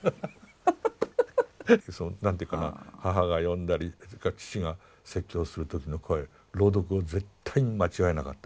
その何て言うかな母が読んだりそれから父が説教する時の声朗読を絶対に間違えなかった。